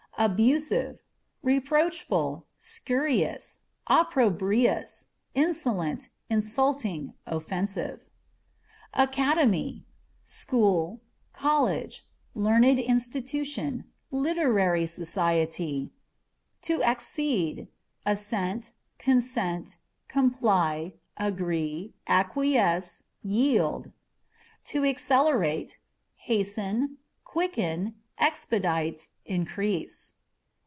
Abusive â€" reproachful, scurrilous, opprobrious, insolent, in sulting, offensive. Academy â€" school, college ; learned institution ; literary society. To Accede â€" assent, consent, comply, agree, acquiesce, yield. To Accelerate â€" hasten, quicken, expedite, increase.